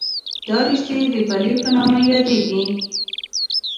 دا رشتې د پلې په نامه یادېږي.